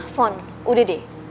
fon udah deh